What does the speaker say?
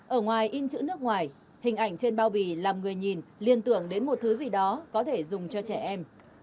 ở ngoài in chữ nước ngoài hình ảnh trên bao bì làm người nhìn liên tưởng đến một thứ gì đó có thể dùng cho trẻ em